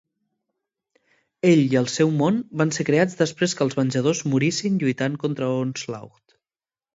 Ell i el seu món van ser creats després que els Venjadors "morissin" lluitant contra Onslaught.